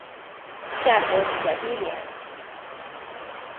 价格比较低廉。